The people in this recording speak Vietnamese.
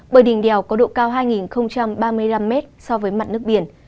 bởi đỉnh đèo có độ cao hai ba mươi năm m so với mặt nước biển